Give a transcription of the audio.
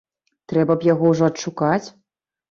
Трэба б яго ўжо адшукаць!